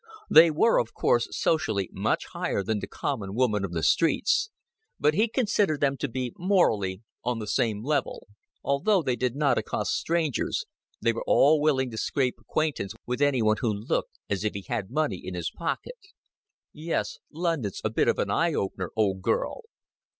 They were of course, socially, much higher than the common women of the streets, but he considered them to be, morally, on the same level: although they did not accost strangers, they were all willing to scrape acquaintance with any one who looked as if he had money in his pocket. "Yes, London's a bit of an eye opener, old girl."